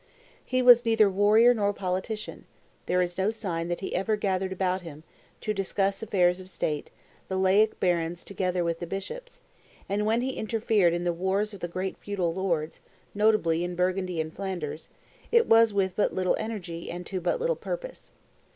He was neither warrior nor politician; there is no sign that he ever gathered about him, to discuss affairs of state, the laic barons together with the bishops, and when he interfered in the wars of the great feudal lords, notably in Burgundy and Flanders, it was with but little energy and to but little purpose.